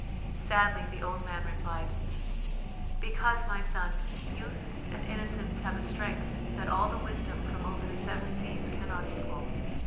Sadly the old man replied: "Because, my son, youth and innocence have a strength that all the wisdom from over the seven seas cannot equal.